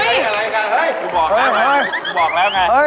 มีอะไรครับกรูบอกนะ